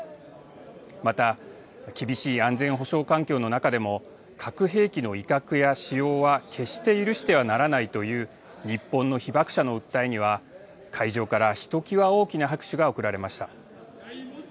また、厳しい安全保障環境の中でも、核兵器の威嚇や使用は決して許してはならないという日本の被爆者の訴えには、会場からひときわ大きな拍手が送られました。